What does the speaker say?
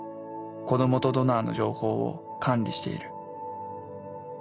子どもとドナーの情報を管理している。